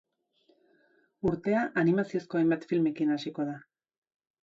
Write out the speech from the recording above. Urtea animaziozko hainbat filmekin hasiko da.